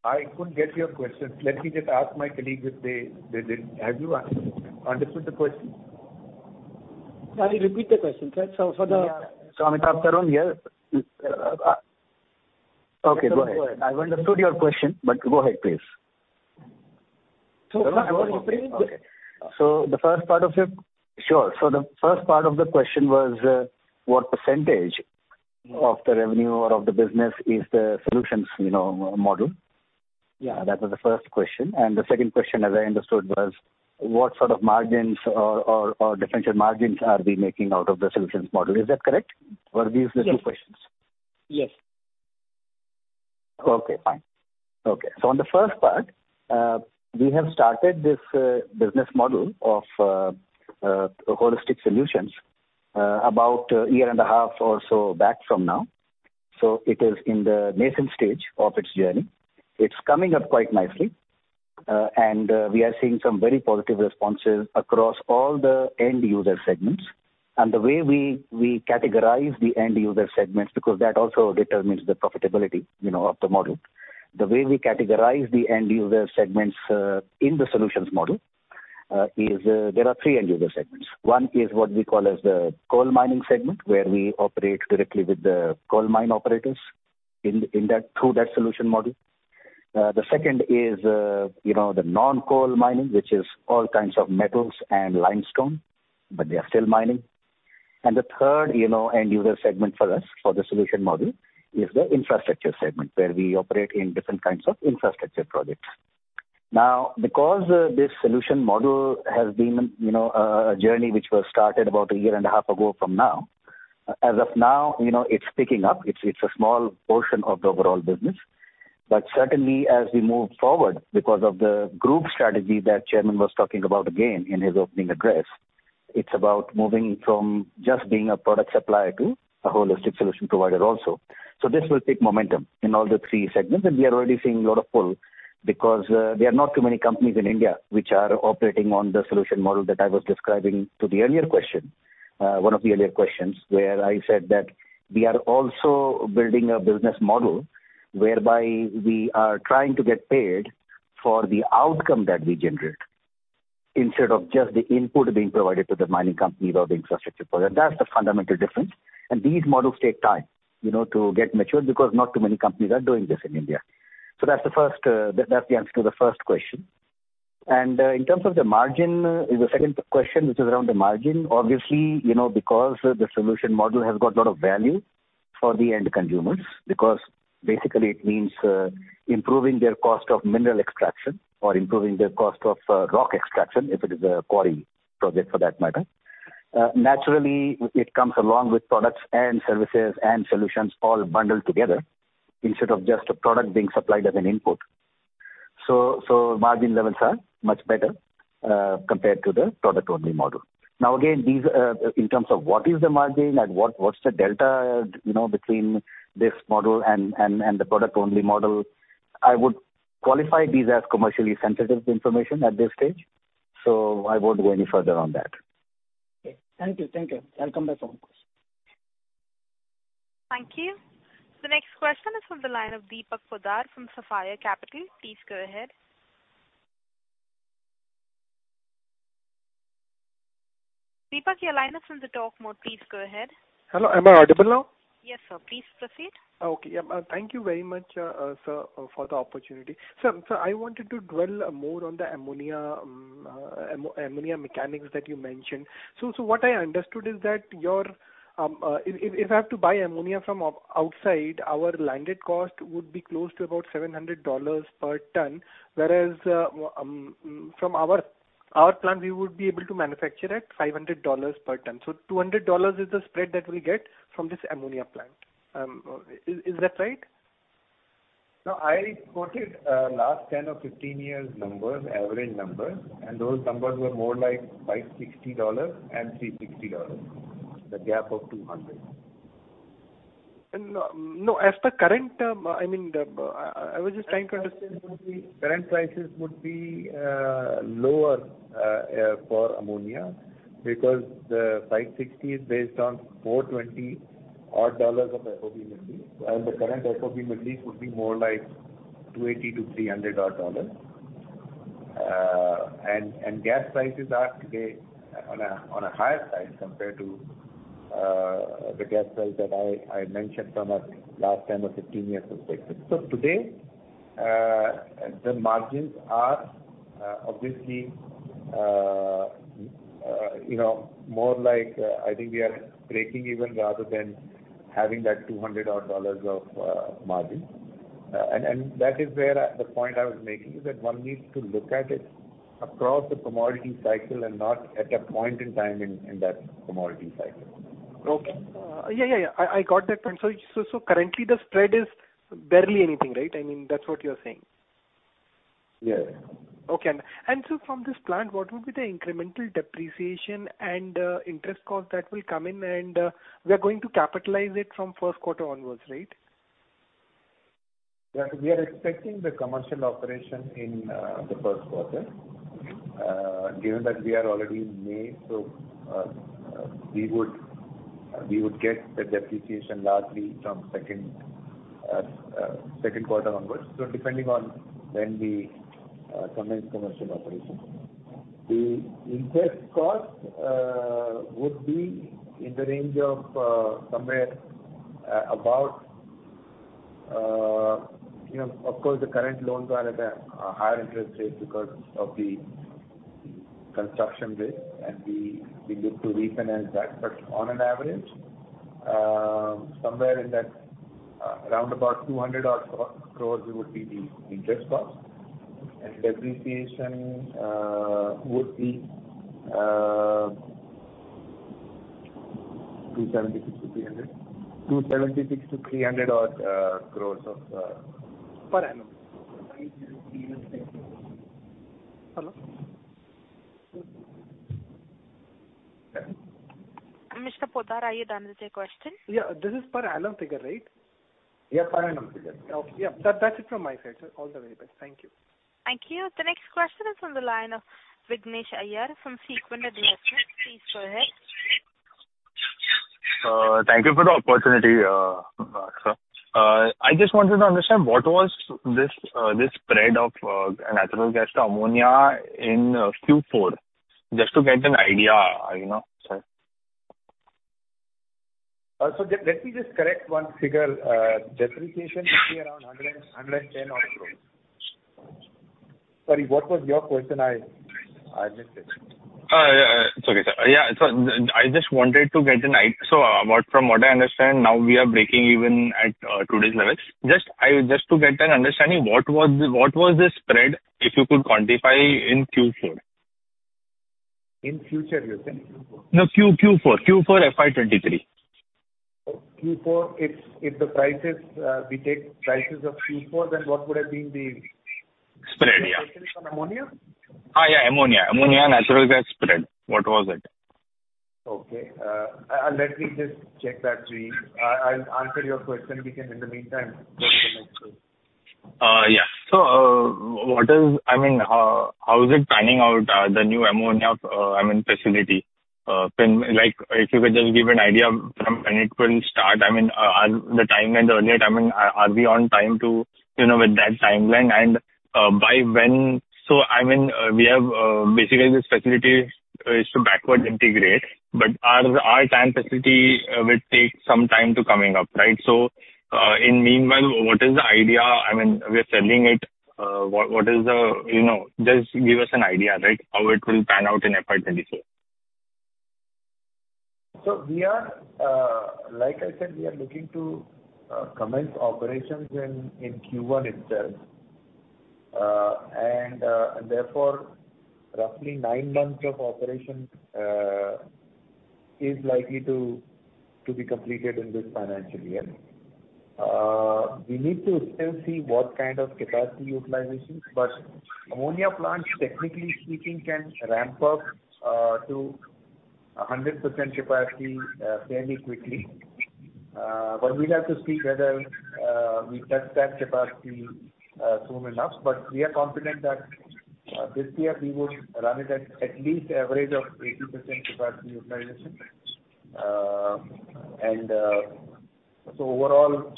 I couldn't get your question. Let me just ask my colleague if they did. Have you understood the question?
I'll repeat the question.
Yeah. Amitabh Bhargava here. Okay, go ahead. I've understood your question, but go ahead, please.
So
Okay. Sure. The first part of the question was, what percentage of the revenue or of the business is the solutions, you know, model?
Yeah.
That was the first question. The second question, as I understood, was what sort of margins or differential margins are we making out of the solutions model? Is that correct? Were these the two questions?
Yes.
Okay, fine. Okay. On the first part, we have started this business model of holistic solutions about a year and a half or so back from now. It is in the nascent stage of its journey. It's coming up quite nicely. We are seeing some very positive responses across all the end user segments. The way we categorize the end user segments, because that also determines the profitability, you know, of the model. The way we categorize the end user segments in the solutions model is there are three end user segments. One is what we call as the coal mining segment, where we operate directly with the coal mine operators through that solution model. The second is, you know, the non-coal mining, which is all kinds of metals and limestone. They are still mining. The third, you know, end user segment for us, for the solution model is the infrastructure segment, where we operate in different kinds of infrastructure projects. Now, because this solution model has been, you know, a journey which was started about a year and a half ago from now. As of now, you know, it's picking up. It's a small portion of the overall business. Certainly as we move forward, because of the group strategy that Chairman was talking about again in his opening address, it's about moving from just being a product supplier to a holistic solution provider also. This will pick momentum in all the three segments, We are already seeing a lot of pull because there are not too many companies in India which are operating on the solution model that I was describing to the earlier question. One of the earlier questions where I said that we are also building a business model whereby we are trying to get paid for the outcome that we generate, instead of just the input being provided to the mining company or the infrastructure provider. That's the fundamental difference. These models take time, you know, to get mature because not too many companies are doing this in India. That's the first, that's the answer to the first question. In terms of the margin is the second question, which is around the margin. Obviously, you know, because the solution model has got a lot of value for the end consumers, because basically it means improving their cost of mineral extraction or improving their cost of rock extraction, if it is a quarry project for that matter. Naturally it comes along with products and services and solutions all bundled together instead of just a product being supplied as an input. Margin levels are much better compared to the product only model. Now again, these, in terms of what is the margin and what's the delta, you know, between this model and the product only model, I would qualify these as commercially sensitive information at this stage, so I won't go any further on that.
Okay. Thank you. Thank you. I'll come back for more questions.
Thank you. The next question is from the line of Deepak Poddar from Sapphire Capital. Please go ahead. Deepak, your line is on the talk mode. Please go ahead.
Hello, am I audible now?
Yes, sir. Please proceed.
Okay. Yeah. Thank you very much, sir, for the opportunity. I wanted to dwell more on the ammonia mechanics that you mentioned. What I understood is that your, if I have to buy ammonia from outside, our landed cost would be close to about $700 per ton. Whereas from our plant, we would be able to manufacture at $500 per ton. $200 is the spread that we get from this ammonia plant. Is that right?
I quoted last 10 years or 15 years numbers, average numbers, and those numbers were more like $560 and $360. The gap of $200.
no, as per current term, I mean, I was just trying to understand-
Current prices would be lower for ammonia because the $560 is based on $420 odd dollars of FOB Middle East, the current FOB Middle East would be more like $280-$300 odd dollars. Gas prices are today on a higher side compared to the gas price that I mentioned from a last 10 years or 15 years perspective. Today, the margins are obviously, you know, more like, I think we are breaking even rather than having that $200 odd dollars of margin. That is where the point I was making is that one needs to look at it across the commodity cycle and not at a point in time in that commodity cycle.
Okay. yeah, yeah. I got that point. Currently the spread is barely anything, right? I mean, that's what you're saying.
Yeah.
Okay. From this plant, what would be the incremental depreciation and interest cost that will come in and we are going to capitalize it from Q1 onwards, right?
Yeah. We are expecting the commercial operation in the Q1.
Mm-hmm.
Given that we are already in May, we would get the depreciation largely from Q2 onwards. Depending on when we commence commercial operation. The interest cost would be in the range of somewhere about, you know, of course, the current loans are at a higher interest rate because of the construction bit, and we look to refinance that. On an average, somewhere in that around about 200 odd crores would be the interest cost. Depreciation would be.
276 crores-300 crores.
Per annum. Hello?
Mr. Poddar, are you done with your question?
Yeah. This is per annum figure, right?
Yes, per annum figure.
Okay. Yeah. That's it from my side. All the very best. Thank you.
Thank you. The next question is from the line of Vignesh Iyer from Sequent Equity Research. Please go ahead.
Thank you for the opportunity, sir. I just wanted to understand what was this spread of natural gas to ammonia in Q4, just to get an idea, you know, sir?
Let me just correct one figure. Depreciation should be around 110 odd crores. Sorry, what was your question? I missed it.
it's okay, sir. Yeah. From what I understand, now we are breaking even at today's level. Just to get an understanding, what was the spread, if you could quantify, in Q4?
In future you're saying?
No. Q4. Q4 FY 2023.
Q4. If the prices, we take prices of Q4, then what would have been?
Spread, yeah.
Spread on ammonia?
Yeah, ammonia. Ammonia-natural gas spread. What was it?
Let me just check that to you. I'll answer your question. We can in the meantime go to the next one.
Yeah. What is... I mean, how is it panning out, the new ammonia, I mean, facility? Like, if you could just give an idea from when it will start. I mean, are the timeline the earlier timeline, are we on time to, you know, with that timeline? By when... I mean, we have, basically this facility is to backward integrate, but our TAN facility will take some time to coming up, right? In meanwhile, what is the idea? I mean, we are selling it. What is the, you know... Just give us an idea, right, how it will pan out in FY 2024.
we are, like I said, we are looking to commence operations in Q1 itself. and therefore roughly nine months of operation is likely to be completed in this financial year. we need to still see what kind of capacity utilizations, but ammonia plants, technically speaking, can ramp up to 100% capacity fairly quickly. but we'll have to see whether we touch that capacity soon enough. we are confident that this year we would run it at least average of 80% capacity utilization. and overall,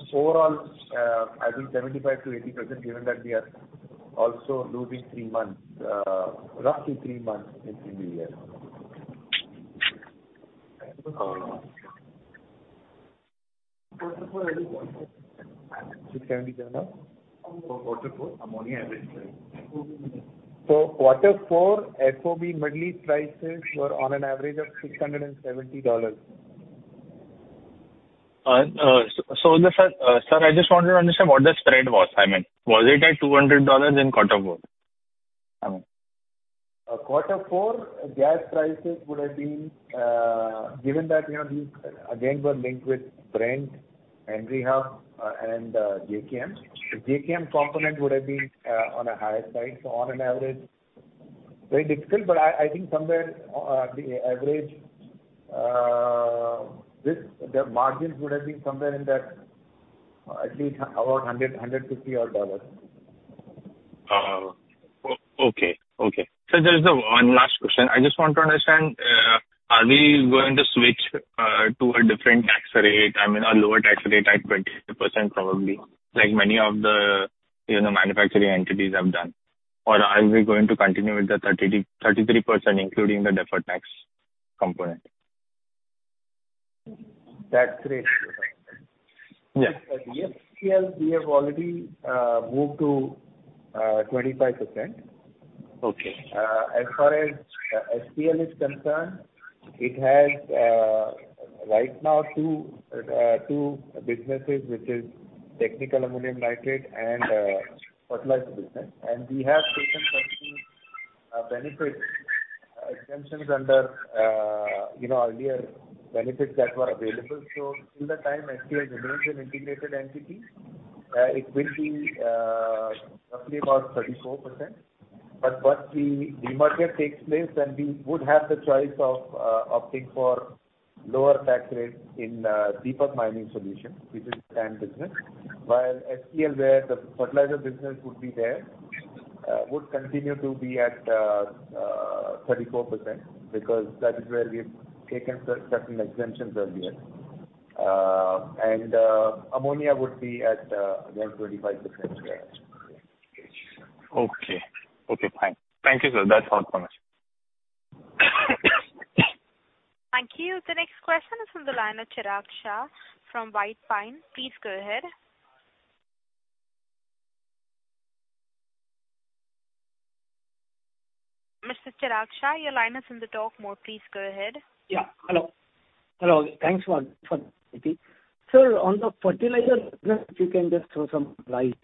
I think 75%-80%, given that we are also losing three months, roughly three months in the new year. $670.
For quarter four ammonia average price.
Q4 FOB Middle East prices were on an average of $670.
Sir, I just wanted to understand what the spread was. I mean, was it at $200 inQ4? I mean. Q4 gas prices would have been, given that, you know, these again were linked with Brent, Henry Hub, and JKM. The JKM component would have been on a higher side. On an average, very difficult, but I think somewhere the average, this, the margins would have been somewhere in that at least about $100, $150 odd dollars. Okay. Sir, there is one last question. I just want to understand, are we going to switch to a different tax rate? I mean, a lower tax rate at 20% probably, like many of the, you know, manufacturing entities have done. Or are we going to continue with the 33%, including the deferred tax component?
Tax rate you're talking about.
Yeah.
For FCL, we have already moved to 25%.
Okay.
As far as SFL is concerned, it has right now two businesses, which is Technical Ammonium Nitrate and fertilizer business. And we have taken certain benefits, exemptions under, you know, earlier benefits that were available. So till the time SFL remains an integrated entity, it will be roughly about 34%. But once the demerger takes place, then we would have the choice of opting for lower tax rates in Deepak Mining Solutions, which is TAN business. While SPL, where the fertilizer business would be there, would continue to be at 34% because that is where we have taken certain exemptions earlier. And ammonia would be at again, 25% tax.
Okay. Okay, fine. Thank you, sir. That's all from us.
Thank you. The next question is from the line of Chirag Shah from White Pine. Please go ahead. Mr. Chirag Shah, your line is on the talk mode. Please go ahead.
Yeah, hello. Thanks for the opportunity. Sir, on the fertilizer business, if you can just throw some light.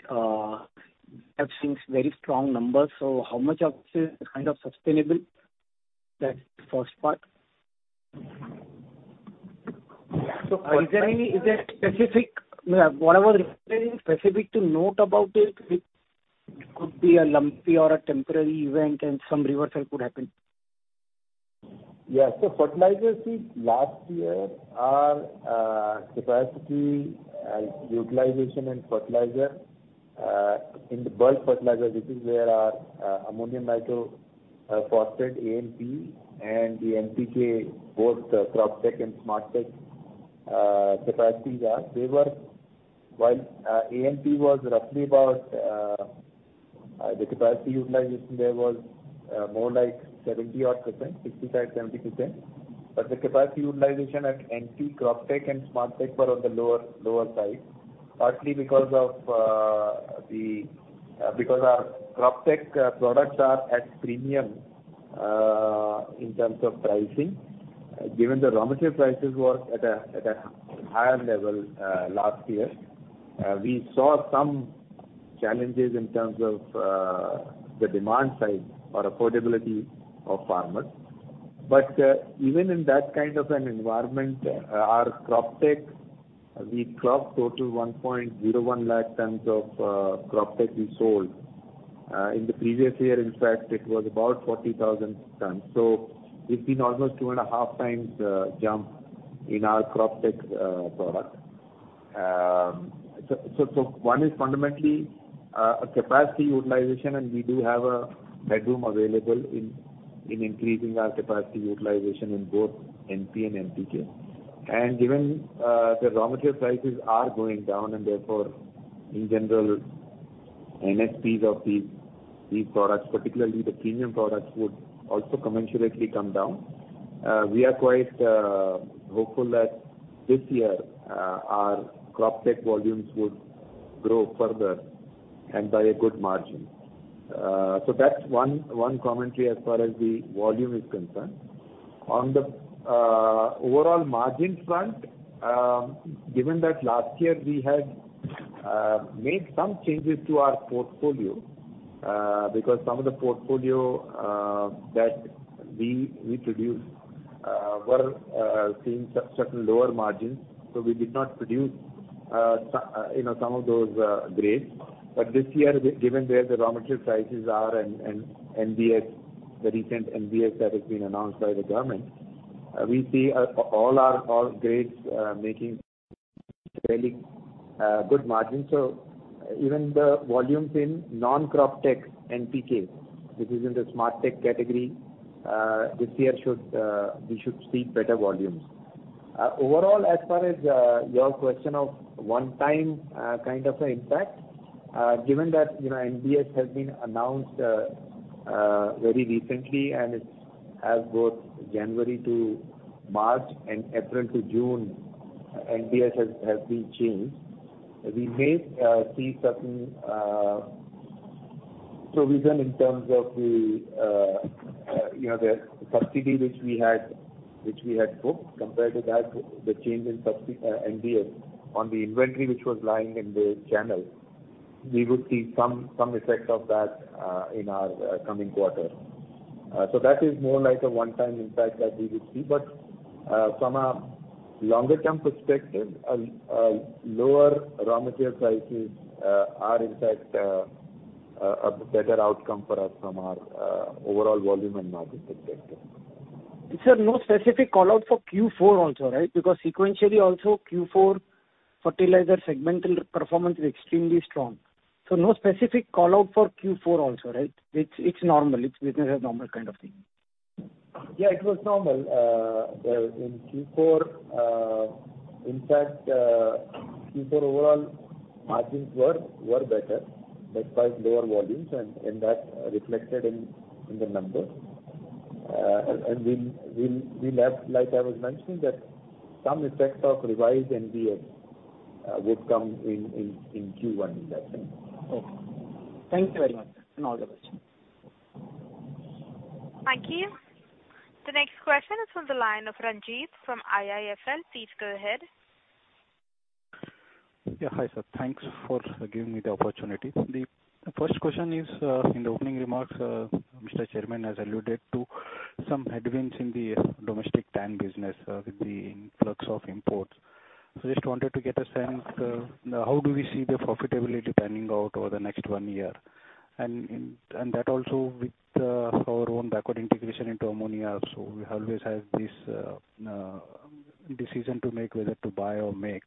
Have seen very strong numbers. How much of this is kind of sustainable? That's the first part.
Yeah.
Is there specific. Yeah. What I was referring, specific to note about it could be a lumpy or a temporary event and some reversal could happen.
Yeah. Fertilizers since last year are capacity utilization and fertilizer in the bulk fertilizer, which is where our ammonium nitrophosphate, ANP, and the NPK, both the Croptek and Smartek, capacities are. While ANP was roughly about the capacity utilization there was more like 70 odd percent, 65%-70%. The capacity utilization at NP Croptek and Smartek were on the lower side. Partly because of because our Croptek products are at premium in terms of pricing. Given the raw material prices was at a higher level last year, we saw some challenges in terms of the demand side or affordability of farmers. Even in that kind of an environment, our Croptek, we cropped total 1.01 lakh tons of Croptek we sold. In the previous year, in fact, it was about 40,000 tons. It's been almost 2.5x jump in our Croptek product. One is fundamentally a capacity utilization, and we do have a headroom available in increasing our capacity utilization in both NP and NPK. Given the raw material prices are going down, and therefore, in general, NSPs of these products, particularly the premium products, would also commensurately come down. We are quite hopeful that this year, our Croptek volumes would grow further and by a good margin. That's one commentary as far as the volume is concerned. On the overall margin front, given that last year we had made some changes to our portfolio, because some of the portfolio that we produce, were seeing sub-certain lower margins, so we did not produce some of those grades. This year, given where the raw material prices are and NBS, the recent NBS that has been announced by the government, we see all our, all grades making fairly good margins. Even the volumes in non-Croptek NPK, which is in the Smartek category, this year we should see better volumes. Overall, as far as your question of one-time kind of an impact, given that, you know, NBS has been announced very recently, and it's as both January-March and April-June, NBS has been changed, we may see certain provision in terms of the, you know, the subsidy which we had booked. Compared to that, the change in NBS on the inventory which was lying in the channel, we would see some effect of that in our coming quarter. That is more like a one-time impact that we would see. From a longer term perspective, lower raw material prices are in fact a better outcome for us from our overall volume and margin perspective.
Sir, no specific call-out for Q4 also, right? Sequentially also, Q4 fertilizer segmental performance is extremely strong. No specific call-out for Q4 also, right? It's, it's normal. It's business as normal kind of thing.
Yeah, it was normal. In Q4, in fact, Q4 overall margins were better, despite lower volumes, and that reflected in the numbers. We'll have, like I was mentioning, that some effects of revised NBS would come in Q1 this time.
Okay. Thank you very much. All the best.
Thank you. The next question is from the line of Ranjit from IIFL. Please go ahead.
Yeah. Hi, sir. Thanks for giving me the opportunity. The first question is, in the opening remarks, Mr. Chairman has alluded to some headwinds in the domestic TAN business, with the influx of imports. Just wanted to get a sense, how do we see the profitability panning out over the next one year? That also with our own backward integration into ammonia also. We always have this decision to make, whether to buy or make.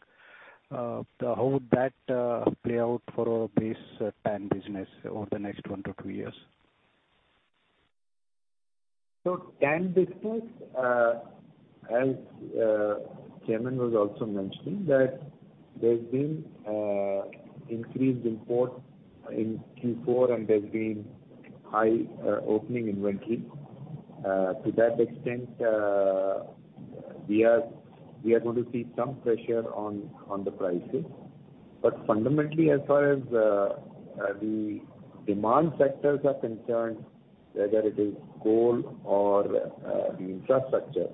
How would that play out for our base TAN business over the next one year-two years?
TAN business, as Chairman was also mentioning, that there's been increased import in Q4, and there's been high opening inventory. To that extent, we are going to see some pressure on the prices. Fundamentally, as far as the demand sectors are concerned, whether it is coal or the infrastructure.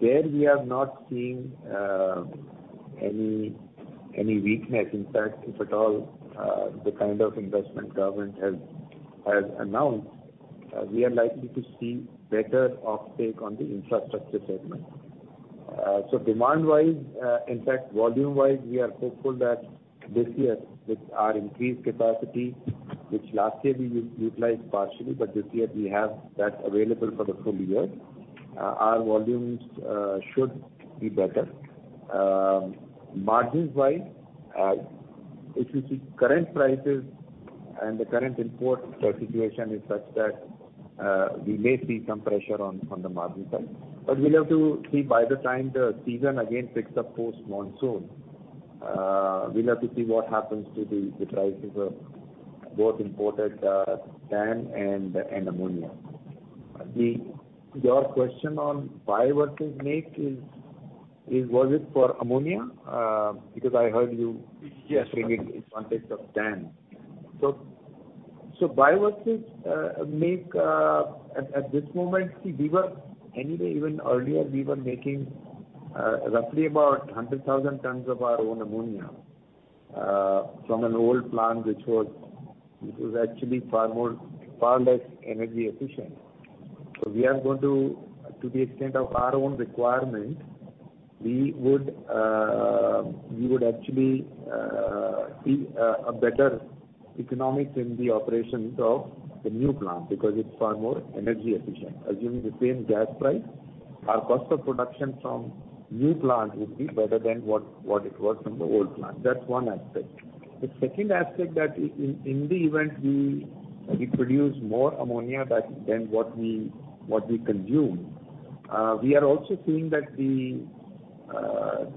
There we have not seen any weakness. In fact, if at all, the kind of investment government has announced, we are likely to see better off-take on the infrastructure segment. Demand-wise, in fact, volume-wise, we are hopeful that this year with our increased capacity, which last year we utilized partially, but this year we have that available for the full year, our volumes should be better. Margins-wise, if you see current prices and the current import situation is such that, we may see some pressure on the margin side. We'll have to see by the time the season again picks up post-monsoon. We'll have to see what happens to the prices of both imported, TAN and ammonia. Your question on by-products make is was it for ammonia? because I heard you.
Yes.
mentioning it in context of TAN. By-products make at this moment, see, we were anyway even earlier, we were making roughly about 100,000 tons of our own ammonia from an old plant, which was actually far less energy efficient. We are going to the extent of our own requirement, we would actually see a better economics in the operations of the new plant because it's far more energy efficient. Assuming the same gas price, our cost of production from new plant would be better than what it was from the old plant. That's one aspect. The second aspect that in the event we produce more ammonia than what we consume, we are also seeing that the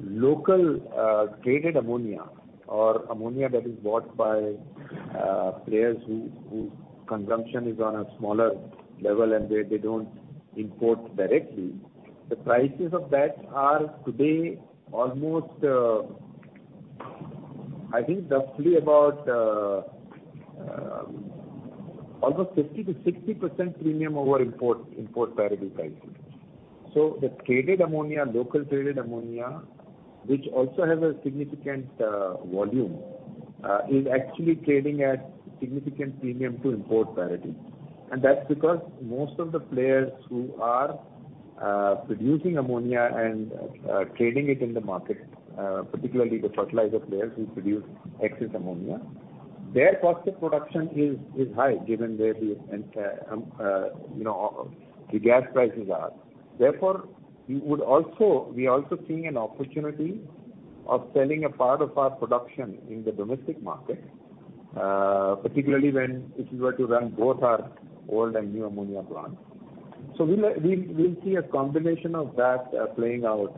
local traded ammonia or ammonia that is bought by players who consumption is on a smaller level and they don't import directly. The prices of that are today almost I think roughly about almost 50%-60% premium over import parity prices. The traded ammonia, local traded ammonia, which also has a significant volume, is actually trading at significant premium to import parity. That's because most of the players who are producing ammonia and trading it in the market, particularly the fertilizer players who produce excess ammonia, their cost of production is high given where the, you know, the gas prices are. Therefore, we are also seeing an opportunity of selling a part of our production in the domestic market, particularly when if we were to run both our old and new ammonia plants. We'll see a combination of that playing out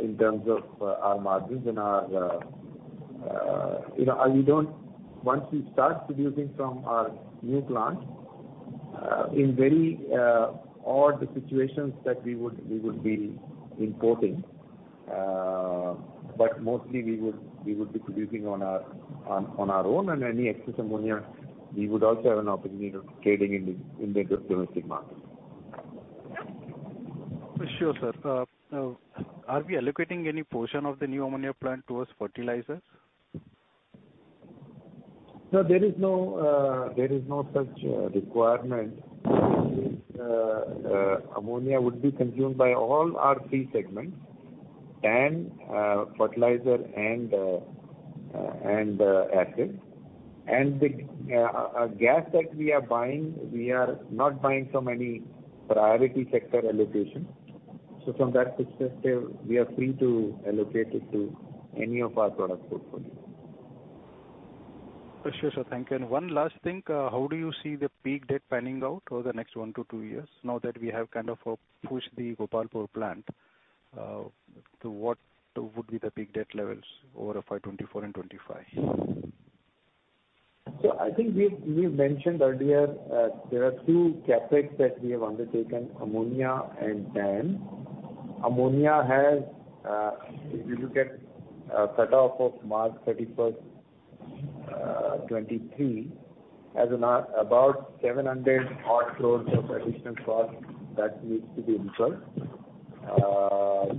in terms of our margins and our, you know, we don't... Once we start producing from our new plant, in very odd situations that we would be importing. But mostly we would be producing on our own and any excess ammonia, we would also have an opportunity of trading in the domestic market.
Sure, sir. Are we allocating any portion of the new ammonia plant towards fertilizers?
No, there is no such requirement. Ammonia would be consumed by all our three segments: TAN, fertilizer and acid. The gas that we are buying, we are not buying from any priority sector allocation. From that perspective, we are free to allocate it to any of our product portfolio.
Sure, sir. Thank you. One last thing, how do you see the peak debt panning out over the next one year-two years now that we have kind of, pushed the Gopalpur plant, to what would be the peak debt levels over FY 2024 and 2025?
I think we've mentioned earlier, there are two CapEx that we have undertaken, ammonia and TAN. Ammonia has, if you look at cutoff of March 31st, 2023, about 700 odd crore of additional cost that needs to be incurred.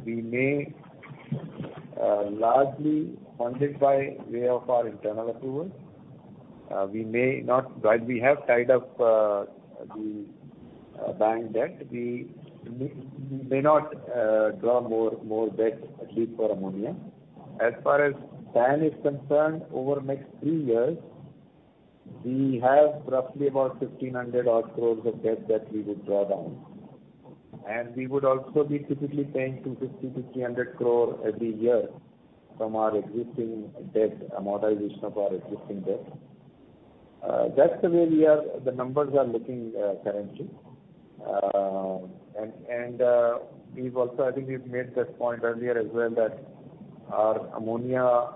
We may largely funded by way of our internal approval. We may not while we have tied up the bank debt, we may not draw more debt, at least for ammonia. As far as TAN is concerned, over the next three years, we have roughly about 1,500 odd crore of debt that we would draw down. We would also be typically paying 250-300 crore every year from our existing debt, amortization of our existing debt. That's the way we the numbers are looking currently. We've also, I think we've made that point earlier as well that our ammonia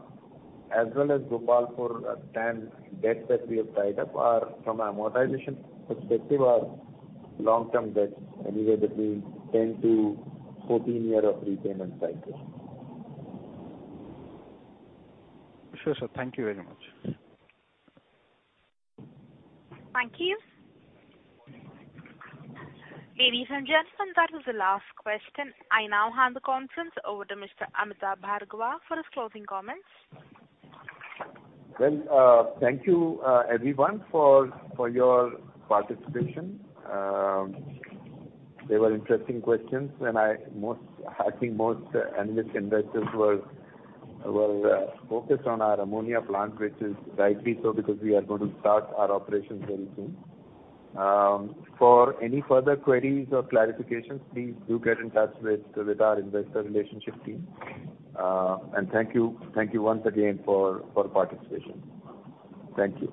as well as Gopalpur TAN debt that we have tied up are from amortization perspective are long-term debts anywhere between 10 year-14 year of repayment cycle.
Sure, sir. Thank you very much.
Thank you. Ladies and gentlemen, that was the last question. I now hand the conference over to Mr. Amitabh Bhargava for his closing comments.
Well, thank you everyone for your participation. They were interesting questions. I think most analyst investors were focused on our ammonia plant, which is rightly so because we are going to start our operations very soon. For any further queries or clarifications, please do get in touch with our investor relationship team. Thank you once again for participation. Thank you.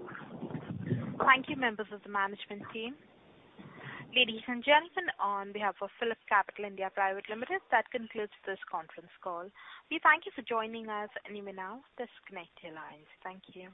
Thank you, members of the management team. Ladies and gentlemen, on behalf of PhillipCapital (India) Private Limited, that concludes this conference call. We thank you for joining us. You may now disconnect your lines. Thank you.